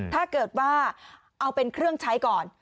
ถ้าเกิดว่าเอาเป็นเครื่องใช้ก่อน